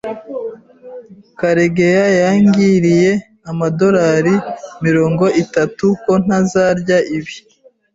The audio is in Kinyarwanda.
Karegeya yangiriye amadorari mirongo itatu ko ntazarya ibi.